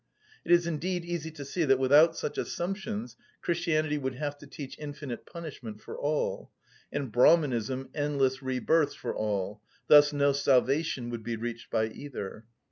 It is indeed easy to see that without such assumptions Christianity would have to teach infinite punishment for all, and Brahmanism endless re‐births for all, thus no salvation would be reached by either.